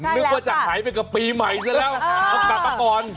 นึกว่าจะหายไปกับปีใหม่ซะแล้วเอากลับมาก่อน